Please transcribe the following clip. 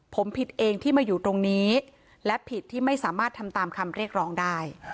ผมผิดเองที่มาอยู่ตรงนี้และผิดที่ไม่สามารถทำตามคำเรียกร้องได้